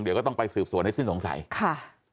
เดี๋ยวก็ต้องไปสืบสวนให้สิ้นสงสัยค่ะ